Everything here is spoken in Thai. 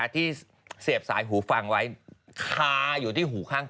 ที่เสียบสายหูฝั่งไว้